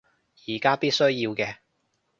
而家必須要嘅